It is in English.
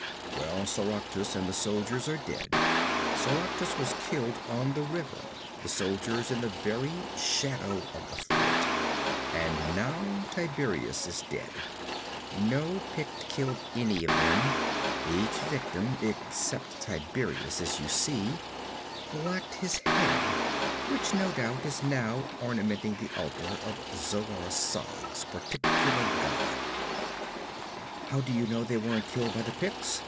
'Well, Soractus and the soldiers are dead. Soractus was killed on the river, the soldiers in the very shadow of the fort. And now Tiberias is dead. No Pict killed any of them. Each victim except Tiberias, as you see lacked his head which no doubt is now ornamenting the altar of Zogar Sag's particular god.' 'How do you know they weren't killed by the Picts?'